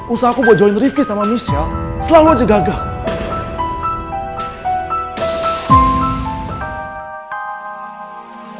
usaha aku bojoin rifki sama michelle selalu aja gagal